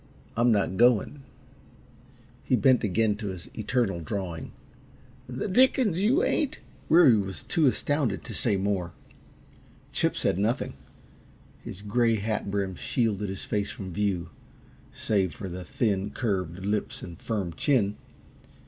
I'm not going." He bent again to his eternal drawing. "The dickens you ain't!" Weary was too astounded to say more. Chip said nothing. His gray hat brim shielded his face from view, save for the thin, curved lips and firm chin.